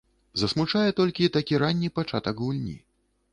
Засмучае толькі такі ранні пачатак гульні.